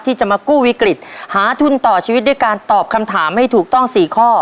ที่จะมากู้วิกฤตหาทุนต่อชีวิตด้วยการตอบคำถามให้ถูกต้อง๔ข้อ